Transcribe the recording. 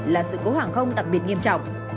là sự cố hạng không đặc biệt nghiêm trọng